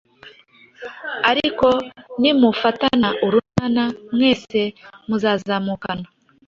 Ariko nimufatana urunana, mwese muzazamukana